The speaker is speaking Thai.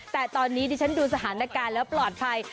แต่ตอนนี้ดิฉันดูสถานการณ์แล้วปลอดภัย